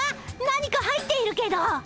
何か入っているけど。